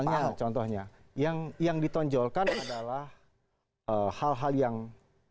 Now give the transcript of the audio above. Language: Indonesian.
misalnya contohnya yang ditonjolkan adalah hal hal yang